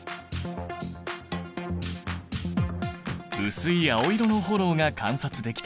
薄い青色の炎が観察できた。